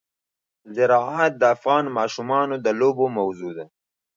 زراعت د افغان ماشومانو د لوبو موضوع ده.